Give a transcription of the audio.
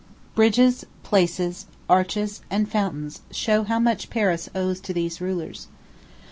Bridges, places, arches, and fountains show how much Paris owes to these rulers.